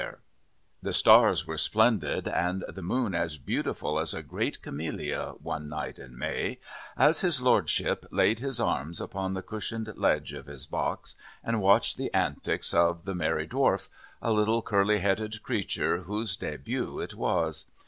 "]The stars were splendid and the moon as beautiful as a great camelia, one night in May, as his Lordship laid his arms upon the cushioned ledge of his box and watched the antics of the Merry Dwarf, a little, curly headed creature, whose début it was.